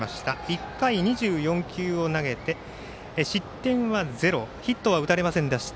１回２４球を投げて失点は０、ヒットは打たれませんでした。